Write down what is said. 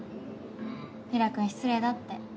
平良君失礼だって。